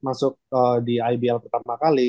masuk di ibl pertama kali